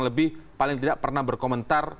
lebih paling tidak pernah berkomentar